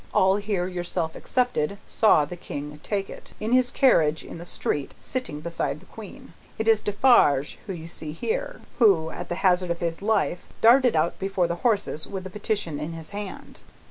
All here, yourself excepted, saw the King take it, in his carriage in the street, sitting beside the Queen. It is Defarge whom you see here, who, at the hazard of his life, darted out before the horses, with the petition in his hand."